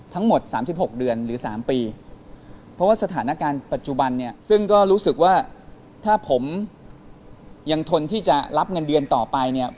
ทั้งหมด๓๖เดือนหรือ๓ปีเพราะว่าสถานการณ์ปัจจุบันเนี่ยซึ่งก็รู้สึกว่าถ้าผมยังทนที่จะรับเงินเดือนต่อไปเนี่ย